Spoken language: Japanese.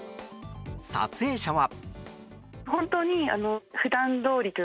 撮影者は。